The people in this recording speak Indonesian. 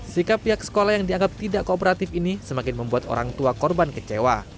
sikap pihak sekolah yang dianggap tidak kooperatif ini semakin membuat orang tua korban kecewa